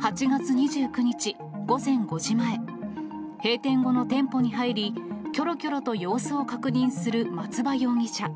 ８月２９日午前５時前、閉店後の店舗に入り、きょろきょろと様子を確認する松葉容疑者。